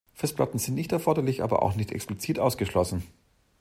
Festplatten sind nicht erforderlich aber auch nicht explizit ausgeschlossen.